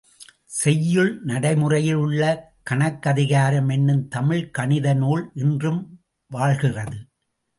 செய்யுள் நடைமுறையில் உள்ள கணக்கதிகாரம் என்னும் தமிழ்க் கணித நூல் இன்றும் வாழ்கிறது.